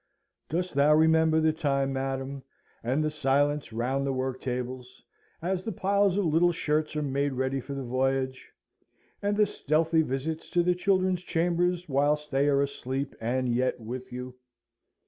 Dost thou remember the time, madam, and the silence round the worktables, as the piles of little shirts are made ready for the voyage? and the stealthy visits to the children's chambers whilst they are asleep and yet with you?